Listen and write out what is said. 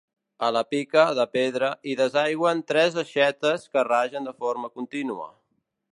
A la pica, de pedra, hi desaigüen tres aixetes que ragen de forma contínua.